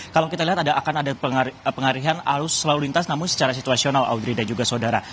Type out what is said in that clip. kalau kita lihat akan ada pengalihan arus selalu lintas namun secara situasional audrey dan juga saudara